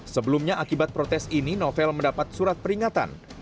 sebelumnya akibat protes ini novel mendapat surat peringatan